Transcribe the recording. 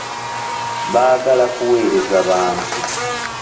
Baagala kuwereza bantu.